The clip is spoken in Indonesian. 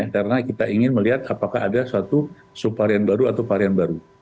karena kita ingin melihat apakah ada suatu subvarian baru atau varian baru